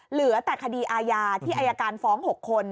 เหลือแต่คดีอาญาที่อายการฟ้อง๖คน